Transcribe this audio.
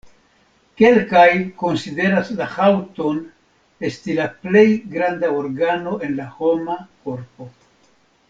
Kelkaj konsideras la haŭton esti la plej granda organo en la homa korpo.